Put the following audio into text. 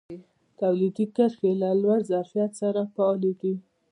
تولیدي کرښې له لوړ ظرفیت سره فعالې دي.